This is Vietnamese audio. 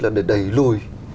là để đẩy lùi